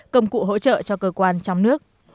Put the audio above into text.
công cụ hỗ trợ cho cơ quan trong nước